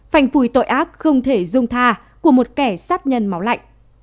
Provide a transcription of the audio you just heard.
phanh phùi tội ác không thể dung tha của một kẻ sát nhân máu lạnh